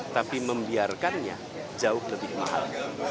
tapi membiarkannya jauh lebih mahal